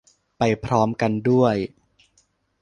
ไปพร้อมกันด้วย